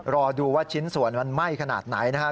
รอดูว่าชิ้นส่วนมันไหม้ขนาดไหนนะครับ